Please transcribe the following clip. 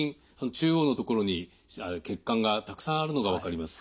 中央の所に血管がたくさんあるのが分かります。